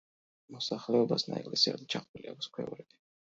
მოსახლეობას ნაეკლესიარზე ჩაყრილი აქვს ქვევრები.